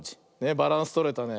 バランスとれたね。